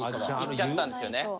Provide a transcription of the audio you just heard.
山口：いっちゃったんですよね。